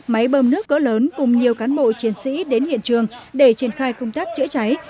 máy bơm nước cỡ lớn cùng nhiều cán bộ chiến sĩ đến hiện trường để triển khai công tác chữa cháy